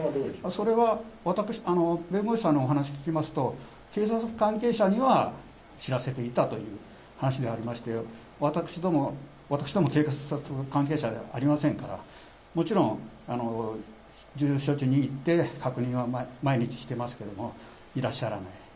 それは、弁護士さんのお話聞きますと、警察関係者には知らせていたという話でありまして、私ども、私どもというか、関係者ではありませんから、もちろん住所地に行って、確認は毎日してますけれども、いらっしゃらない。